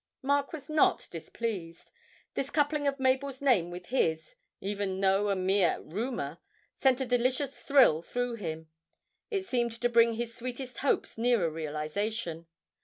Mark was not displeased. This coupling of Mabel's name with his, even though by a mere rumour, sent a delicious thrill through him; it seemed to bring his sweetest hopes nearer realisation.